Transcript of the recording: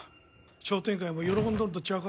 商店街も喜んどるんと違うか？